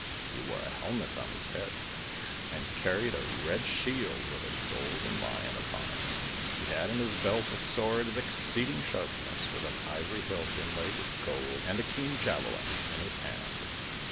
He wore a helmet on his head and carried a red shield with a golden lion upon it; he had in his belt a sword of exceeding sharpness with an ivory hilt inlaid with gold, and a keen javelin in his hand.